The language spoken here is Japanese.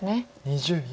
２０秒。